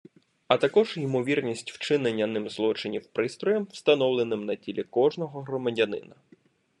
А також ймовірність вчинення ним злочинів пристроєм, встановленим на тілі кожного громадянина.